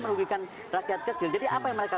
merugikan rakyat kecil jadi apa yang mereka